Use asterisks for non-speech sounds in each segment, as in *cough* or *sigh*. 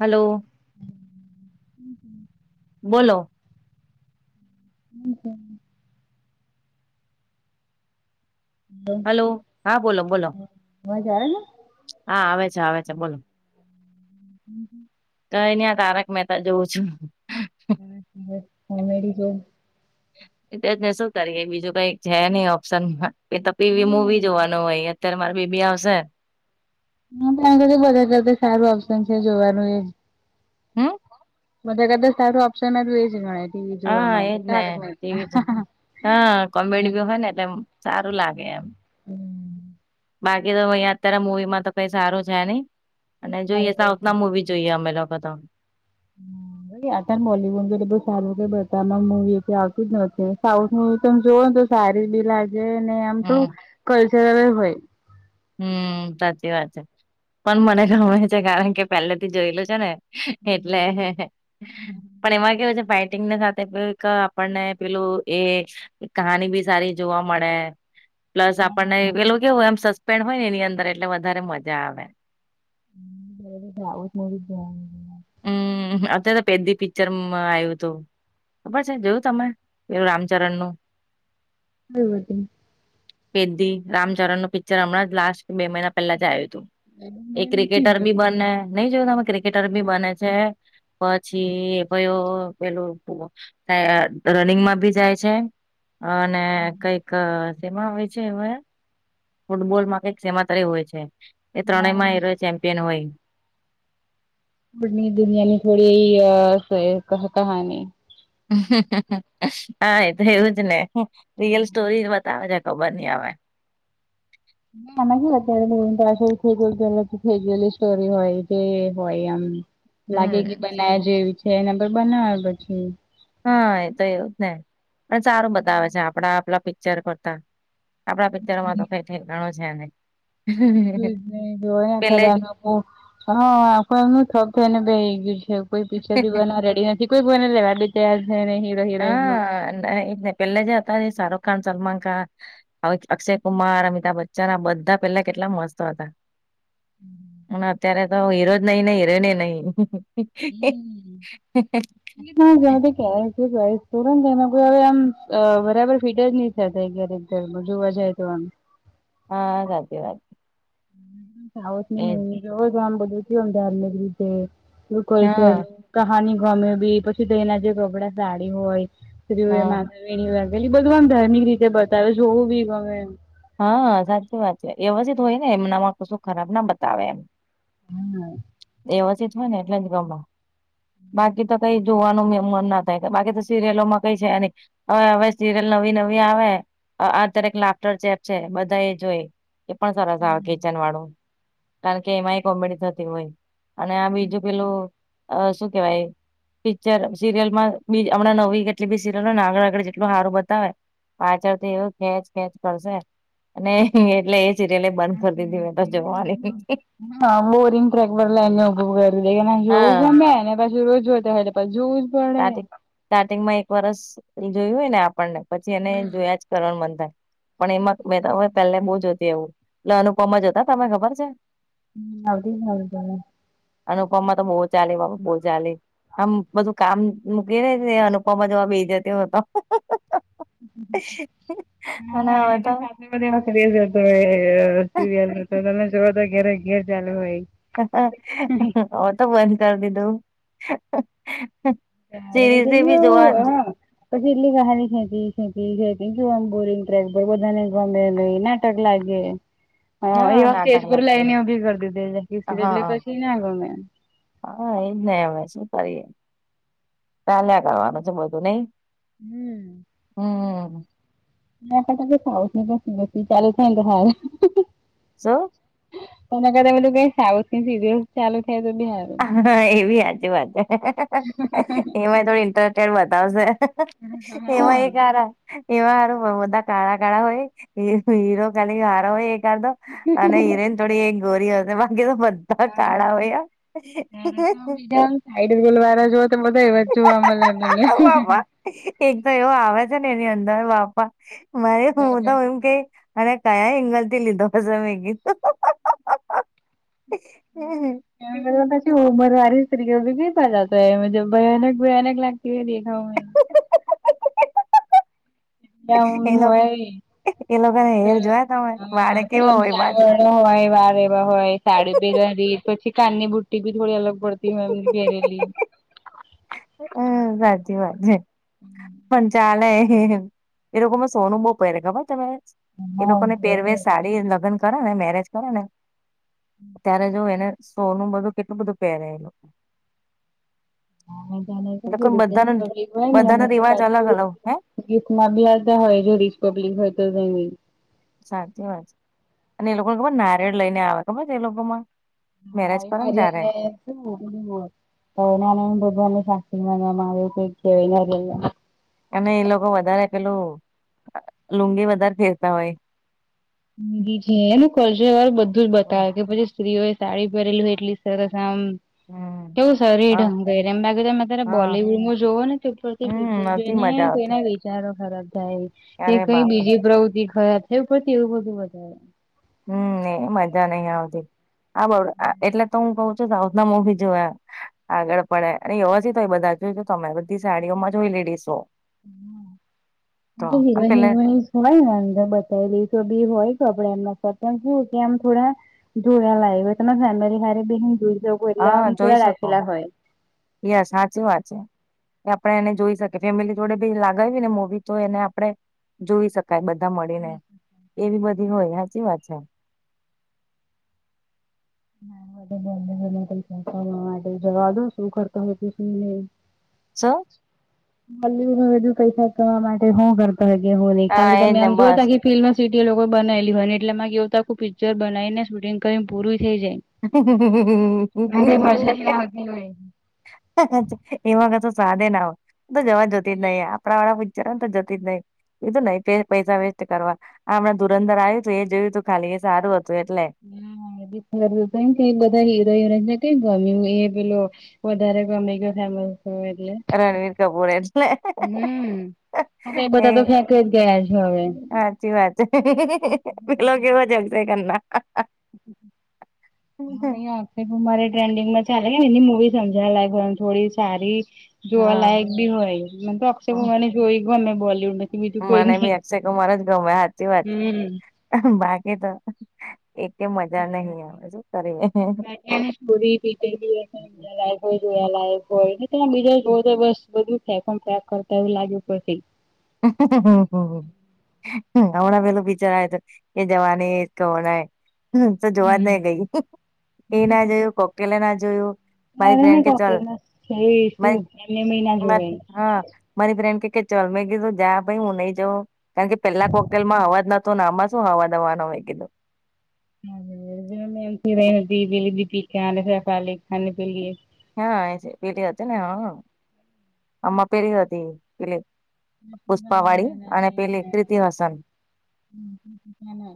હાલો. બોલો? *inaudible* *inaudible* હાલો હા બોલો બોલો. અવાજ આવે છે? હા આવે છે આવે છે બોલો. *inaudible* કયની આ તારક મહેતા જોઉં છું. *inaudible* *unintelligible* *inaudible* તે જ ને શું કરીએ બીજું કઈક છે નઈ ઓપ્શન માં કે તપીવી મુવી જોવાનું હોય. અત્યારે મારી બેબી આવશે. *unintelligible* જોવાનું એ. હું? બધાકરતા સારું ઓપ્શન એજ ગણાય. ટીવી જોવા હા માટે એજ ને તારક ટી મહેતા. વી હા કોમેડી બી હોય ને એમ. સારું લાગે એમ. હમ્મ. બાકી તો અહીંયા અત્યારે મુવી માં તો કઈ સારું છે નઈ અને જોઈ સાઉથ ના મુવી જોઈએ અમે લોકો તો. *inaudible* *unintelligible* મુવી આવું જ નથી સાઉથવી તમે જોવાનો તો સારી બી લાગે ને આમ થોડું હમ કલ્ચરલ હોય. હમ સાચી વાત છે પણ મને ગમે છે કારણ કે પહેલે થી જોયેલું છે ને. એટલે પણ એમાં કેવું છે ફઇટિંગને સાથે એક આપણને પેલું એ કહાની બી સારી જોવા મળે. પ્લસ આપણને પેલું કેવું એમ સસ્પેન્ડ હોય ને એની અંદર એટલે વધારે મજા આવે. *unintelligible* હમ્મ અત્યારે તો પેદી પિક્ચરમાં આવ્યું હતુ. ખબર છે જોયું તમે પેલુ રામચરણ નું? *unintelligible* પેદી રામચરણ નું પિક્ચર હમણાં જ લાસ્ટ બે મહિના પેલા જ આયું તું. એ મેં નથી ક્રિકેટર બી બને, નહીં જોયું તમે ક્રિકેટર બી બને છે એ પછી પયો પેલું રનિંગમાં ભી જાય છે. અને કંઈક અહ શેમા હોય છે હવે ફૂટબોલ માં કંઈક શેમા *unintelligible* હોય છે, એ ત્રણેય જોયું. માં એરો ચેમ્પિયન હોય. *unintelligible* હા એ તો એવું જ ને. રિયલ સ્ટોરી જ બતાવે છે. ખબર ની હવે. *unintelligible* સ્ટોરી હોય કે હોય એમ. લાગે કે હમ બનાયા જેવી છે, એના પર બનાવે પછી. હા એ તો એવું જ ને. પણ સારું બતાવે છે આપણા આપલા પિક્ચર કરતા. આપડા પિક્ચરમાં તો કંઈ ઠેકાણો છે નહીં. *unintelligible* ઓ, હા, આખું એમનું ઠબ થઈને બેહી ગયું, કોઈ પિક્ચર બી બનાવા રેડી નથી. *unintelligible* હા. અને ઈ જ ને. પેલા જે હતા શાહરુખ ખાન, સલમાન ખાન હવે અક્ષય કુમાર, અમિતાભ બચ્ચન આ બધા પેલા કેટલા મસ્ત હતા. અને અત્યારે તો હીરો જ નહીં ને, હિરોઈને નહીં. હમ્મ *inaudible* *unintelligible* કોઈ હવે આમ બરાબર ફીટ જ નહીં *unintelligible* જોવા જાય તો આમ. હા સાચી વાત. એજ *unintelligible* ધાર્મિક રીતે એવું કલ્ચર હા કહાની ગમે બી, પછી તેના જે *unintelligible* સાડી હોય હા *unintelligible* *unintelligible* બધું આમ ધાર્મિક રીતે બતાવે, જોવું બી ગમે એમ. હા, સાચી વાત છે. વ્યવસ્થિત હોય ને એમનામાં કશું ખરાબ ના બતાવે એમ. હમ્મ. વ્યવસ્થિત હોય ને એટલે જ ગમે, બાકી તો કંઈ જોવાનું મે મન ના *unintelligible* બાકી તો સિરિયલોમાં કંઈ છે નહીં, હવે-હવે સિરિયલ નવી-નવી આવે આ-આ દરેક લાફ્ટર ચેપ છે, બધા એ જોઈ, એ પણ સરસ આવે કિચન વાળું. કારણ કે એમાંય કોમેડી થતી હોય, અને આ બીજું પેલું અહ શું કેવાય પિક્ચર સિરિયલમાં બી હમણાં નવી કેટલી બી સીરિયલ હોય ને આગળ-આગળ જેટલું હારું બતાવે પાછળથી એવું ખેંચ-ખેંચ કરશે અને એટલે જ બંધ કરી દીધી મેં તો જોવાની. હા. બોરિંગ ટ્રેક *unintelligible* લઈને હા *unintelligible* *unintelligible* સ્ટાર્ટિંગ-સ્ટાર્ટિંગમાં એક વરસ જોયું હોય ને એ આપણને, પછી એને જોયા જ કરવાનું મન થાય. પણ એમાં મેં તો હવે પેલે બહુ જોતી એવું, એટલે અનુપમા જોતા તને ખબર છે? હમ્મ. *unintelligible* અનુપમા તો બહુ ચાલી બાપા બહુ ચાલી. આમ બધું કામ મૂકી રે છે એ અનુપમા જોવા બેહી જતી હું તો. હા અને હવે *unintelligible* *unintelligible* તો તો તમે જોવો તો ઘેરે ઘેર ચાલું હોય. હવે તો બંધ કર દીધું. સિરીઝી ભી જોવા *unintelligible* કે આમ ટ્રેક, બહું બધાને ગમે નહીં, નાટક લાગે. *inaudible* હા નાટકલા *unintelligible* એટલે હા. પછી ના ગમે. હા એજ ને હવે શું કરીએ ચાલ્યા કરવાનું છે બધું નહી હમ્મ. હમ્મ. ના *unintelligible* ચાલુ થાય ને તો હાલે જઉ એના કરતા ઓલિયુ સાઉથની સીરિયલ ચાલુ થાય તો બી હાલે હા એવી આજુ વાજુ એમાં થોડી ઇન્ટરેસ્ટેડ બતાવશે એમા હા એક હારા એમારું બધા કાળા કાળા હોય હીરો ખાલી હારો હોય એ કાતો અને હિરોઈન થોડી એક ગોરી હશે બાકી તો બધા કાળા હોય તારે તો સાઈડ ગોલવારા જો તો બધા એવા જ જોવા મળે *inaudible* બાપા એક તો એવો આવે છે ને એની અંદર બાપા મારે હું તો એમ કે અરે કયા ઇંગલ થી લીધો હશે મે કીધું *inaudible* પછી ઉમરવારી સ્ત્રી બી ગીતા જતો એજ ભયાનક ભયાનક લાગતી હોય દેખાવામાં *inaudible* એ ઊંઘ લોકા હોય ન એ લોકોને હેર જોયા તમે વાળ હા કેવા હોય બાદ સાવરણો હોય વાર એવા હોય સાડી પહેરે રીત પછી કાનની બુટ્ટી બી થોડી અલગ પડતી હોય એમની પહેરેલી હમ્મ સાચી વાત છે પણ ચાલે એમ એ લોકોંમાં સોનું બહુ પહેરે ખબર તમે એ હા લોકોને પહેરવે સારી તે લગ્ન કરે ને મેરેજ કરે ને ત્યારે જો એને સોનું બધું કેટલું બધું પહેરાયે એ લોકો એ લોકો *unintelligible* બધાનું બધાનો રિવાજ પાછુ અલગ અલગ હે ગીફટ માં બી આવતા હોય જો રિસપબ્લિક હોય તો એમની સાચી વાત છે અને એ લોકોને ખબર નારેયળ લઈને આવે ખબર છે એ લોકોમાં મેરેજ કરો ને ત્યારે *unintelligible* એવું કઈક કેવાય *unintelligible* અને એ લોકો વધારે પેલું લુંગી વધારે પેરતા હોય લુગી છે એનું કરજ બધું જ બતાવે કે પછી સ્ત્રીઓ તાળી પરેલું એટલી સરસ આમ હા. કેવું સરીર ઢંગ એમ બાકી તમે તારે હા બોલીવુડમાં જુઓ ને તે ઉપરથી હમ ફીચર નથી જોઈને મજા આવતી કોઈના ચારો ખરાબ થાય કે અરે કઈ બાપરે બીજી પ્રવૃતિ ખરાબ થવી પડતી એવું બધું વધારે હમ્મ મજા નહી આવતી આ બઉ એટલે તો હું કઉ છું સાઉથ ના મૂવી જોયા આગળ પડે અને એવો જ તો બધા જોય તો તમે બધી સાડીઓમાં જ હોય લેડીસો તો અને હીરો પેલે હિરોઈન હોય ને અંદર બતાવી દઈશો બી હોય તો આપડે એમના સાથે એમ શું કે આમ થોડા ધોયા લાગેલા હોય તમે ફેમેલી હારે બી જોઈ શકો એટલે થોડા રાખેલા હોય. યશ હાચું વાત છે. કે આપણે એને જોઈ શકીએ ફેમિલી જોડે લાગાવી ને મુવી તો એને આપડણે જોઈ શકાય બધા મળીને એવી બધી હોય સાચી વાત છે. *unintelligible* માટે જવા દો શું કરતો હોય ને શું નહી *unintelligible* *unintelligible* પૈસા કરવા માટે હું કરતા હ કે હું નહી હા ખાલી તમે એને આમ જોઓ તો બસ ખાલી ફિલ્મ સિટી લોકોએ બનાયલી હોયને એટલે એમાં કે એવું આખું પિક્ચર બનાવીને શૂટિંગ કરીને પૂરું થઈ જાય અરે મજા જ ના *unintelligible* આવતી હોય. એમાં કાતો સવાદે ના હોય તો જવા જોતી જ નહી આવા આપડા વાળા વિચાર હોય તો જતી જ નહી. એ તો નહી કરે પૈસા વેસ્ટ કરવા હમણાં ધૂરંધર આવ્યું હતું એ જોયું તું ખાલી એ સારું હતું એટલે ના બધી કે બધા હીરો હિરોઈન ગમે એ પેલો વધારે ગમી ગયો ફેમસ થયો એટલે રણવીર કપૂર એટલે હમ્મ. હવે એ બધા તો ફેંકી જ ગયા છે હવે. સાચી વાત, પેલો કેવ જગશે કરના. આક્ષેપ મા ટ્રેન્ડિંગમાં ચાલે એની મુવી સમજ *inaudible* થોડી સારી જોવાલાયક બી હોય મન તો અક્ષ હા મને જોઈ ગમે બોલીવુડ માંથી બીજું કોઈ મને નહી બી અક્ષય કુમાર જ ગમે હાચી વાત હમ બાકી તો એક *unintelligible* હોય જોયા લાયક હોયલા બીજા જો તો બસ બધું ફેકમ ફેક કરતા એવું લાગ્યું પછી. હમણાં પેલું બિચાર આવે તો એ જવાની *unintelligible* હુ તો જોવા જ હમ નહી ગઈ એ ના જોયું, કોકેલા ના જોયું. ભાઈ મારે ને બેન કે ચલ કોકટેલ માં છે ભાઈ, શું એમને મહિના જોવાય. હા. મારી ફ્રેન કે કે ચાલ મે કીધું જ ભાઈ હું નહી જાઉં કારણ કે પેલા કોકટેલમાં અવાજ નતો ના આમાં શું અવાજ આવવાનો હોય કીધો. *unintelligible* ખાલી પીલી. હાએ છે, પેલી હતી ને હા આમાં પેલી હતી પેલી પુષ્પા વાળી રક્ષાબંધન અને પેલી કીર્તિ હસન. હમ્મ હમ્મ મને.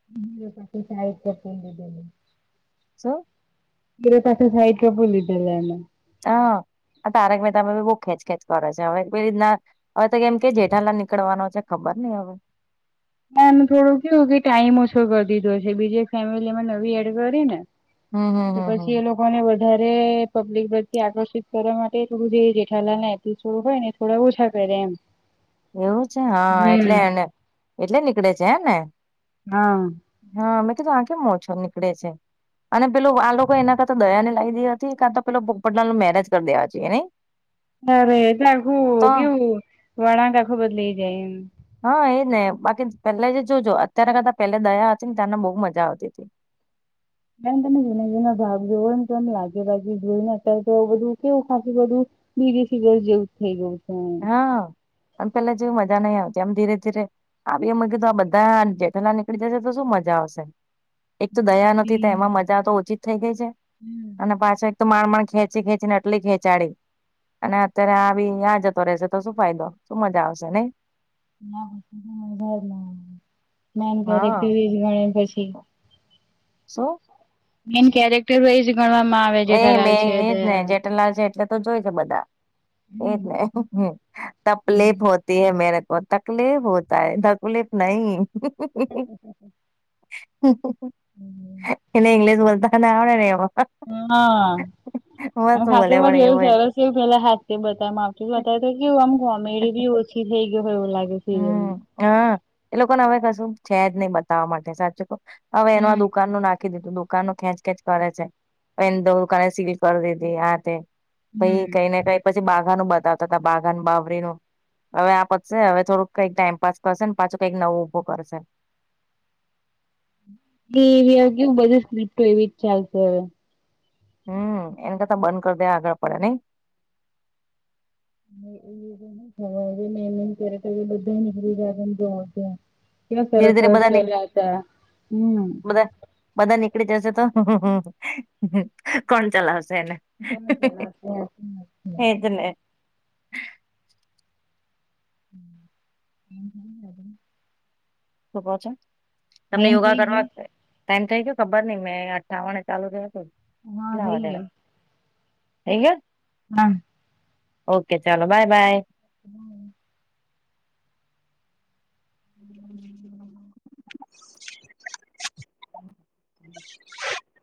*unintelligible* શું? એરે પાસે સાહિત્ય ભૂલીદે એને. આ આ તારેક મહેતાએ બહુ ખેંચ ખેચ કરે છે, હવે કોઈ રીતના હવેતો કેમકે, જેઠાલાલ નીકળવાનો છે, ખબર નહીં હવે. ના એનું થોડો કેવુંકે ટાઈમ ઓછો કરી દીધો છે, બીજી એક ફેમિલીમાં નવી એડ કરીને. હમ હમ એ હમ હમ. પછીએ લોક લોકોને વધારે પબ્લિક પરથી આકર્ષિત કરવા માટે જેઠાલાલને થોડું હોયને થોડા ઓછા કરે એમ. એવું છે હા એટલે હમ્મ એટલે નીકળે છે, હેને? હા. હા, મેતો કેમ આ તો કેમ ઓછો નીકળે છે. અને પેલું આ લોકો એના કરતા દયાને લઈદી હતી, કાતો પેલો પોપટલાલના મેરેજ કરી દેવા જોઈએ નહીં. અરે એટલે આખું કેવું વળાંક આખું બદલાય જાય, એમ. હા, એજને બાકી પેલાજે જોજો અત્યારે કરતા પે દયા હતી ને ત્યારને બહુ મજા આવતી હતી. જેમ તમે જૂના જૂના ભાગ જોવો નેતો એમ લાગશે બાકી જોઈને અત્યારે તો બધું કેવું ખાવાથી બધું મીરી ફીગર જેવું થઈ ગઈ. હા, પણ પેલા જેવું મજા નહીં આવતી એમ ધીરે ધીરે આવી એમ કીધું આ બધા જેઠાલાલ નીકળી જશે તોશું મજા આવશે. એકતો દયા નથી, તો એમાં મજા તો ઓછી થઈ ગઈ છે, અને પાછળ તો માણ માણ ખેંચી ખેંચી ને આટલી ખેંચાડી અને અત્યારે આવી નયાજ તો રહેશે તો શું ફાયદો શું મજા આવશે નહીં? *inaudible* હા ઘરેથી *inaudible* પછી. શું? મેન કેરેક્ટર હોયજ ગણવામાં આવ એમેં એજ ને જેઠાલાલ છે એટલેતો જોય છે બધા. એજ ને તકલીફ હોત તી મેરે કો તકલીફ હોતા હે તકલીફ નહીં. એને ઈંગ્લિશ બોલતાના આવડે ને એવો. હા. બોલે પણ ખાધું એવો એ. સરસ છે, પેલા હા બતામા બતાય તો કેવું આમ કોમેડી બીહો થીર થઈ ગયો હોય એવું લાગે ફજ. હાએ લોકોને હવે કશું છે, જ નહીં બતાવવા માટે સાચું કહું હવે એનું આ હમ્મ દુકાનનું નાખ કંઈ દીધું દુકાન નું ખેંચ ખેંચ કરે છે, દુકાને સીલ કરી દીધી આતે. પછી હમ્મ. કંઈને કંઈ પછી બાઘાનું બતાવતા હતા, બાઘાન બાવરીનું હવે આપશે હવે, થોડું કંઈક ટાઇમપાસ કરશે, ને પાછું કંઈક નવો ઉભો કરશે. એવી કે બધી સ્ક્રિપ્ટો એવીજ ચાલશે હવે. હું એને કરતા બંધ કરી દેવા આગળ પડે નહીં.? એતો નાખ મેં કરક બધા નીકળવી જત જોડ્યા. *inaudible* કેવા ધીરે સરસ ધીરે સરસ બધા ની પેલા હતા. હું. બધા બધા નીકળી જશે તો કોણ ચલાવશે એને, ટાઈમ એજને, હું, હું છે, તમને યોગા થઈ કરવા ગયો ટાઈમ થઇ ગયો ખબર નઈ મેં અઠાવને ચાલુ રહ્યો હતું, હા પટલા થઈ વાગે. ગયો એંગયો,? હમ ઓકે ચાલો બાય બાય હમ હમ *inaudible* બ *inaudible*